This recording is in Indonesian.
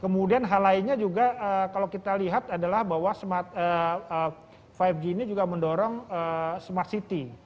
kemudian hal lainnya juga kalau kita lihat adalah bahwa lima g ini juga mendorong smart city